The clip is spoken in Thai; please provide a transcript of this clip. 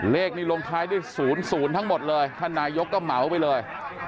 เลขนี้ลงท้ายด้วย๐๐ทั้งหมดเลยท่านนายกก็เหมาไปเลย